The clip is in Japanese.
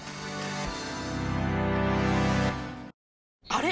あれ？